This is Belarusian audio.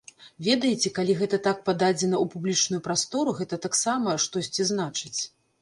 Ведаеце, калі гэта так пададзена ў публічную прастору, гэта таксама штосьці значыць.